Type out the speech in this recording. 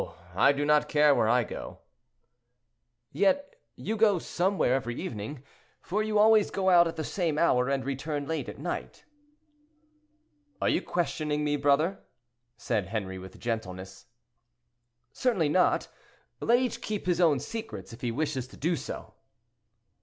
I do not care where I go." "Yet you go somewhere every evening, for you always go out at the same hour and return late at night." "Are you questioning me, brother?" said Henri, with gentleness. "Certainly not; let each keep his own secrets if he wishes to do so."